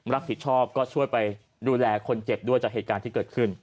รับผิดชอบก็ช่วยไปดูแลคนเจ็บด้วยจากเหตุการณ์ที่เกิดขึ้น